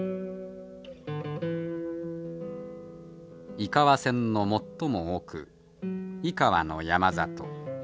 井川線の最も奥井川の山里。